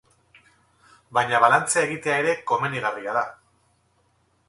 Baina, balantzea egitea ere komenigarria da.